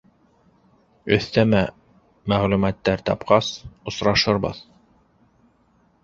Өҫтәмә мәғлүмәттәр тапҡас, осрашырбыҙ...